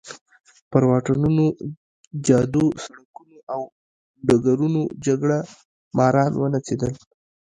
پر واټونو، جادو، سړکونو او ډګرونو جګړه ماران ونڅېدل.